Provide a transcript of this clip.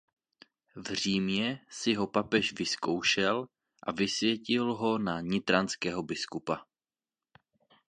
V Římě si ho papež vyzkoušel a vysvětil ho na nitranského biskupa.